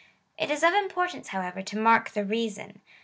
It is of importance, however, to mark the reason.